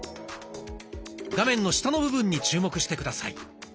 画面の下の部分に注目して下さい。